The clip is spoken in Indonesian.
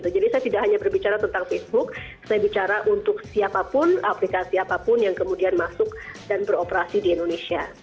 jadi saya tidak hanya berbicara tentang facebook saya bicara untuk siapapun aplikasi apapun yang kemudian masuk dan beroperasi di indonesia